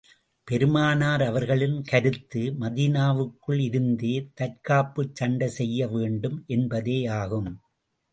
பெருமானார் அவர்களின் கருத்து, மதீனாவுக்குள் இருந்தே தற்காப்புச் சண்டை செய்ய வேண்டும் என்பதேயாகும்.